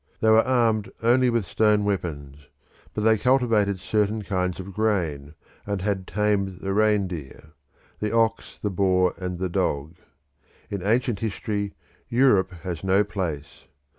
They were armed only with stone weapons; but they cultivated certain kinds of grain, and had tamed the reindeer, the ox, the boar, and the dog. In ancient history Europe has no place.